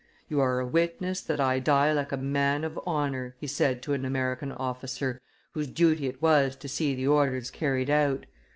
"You are a witness that I die like a man of honor," he said to an American officer whose duty it was to see the orders carried out.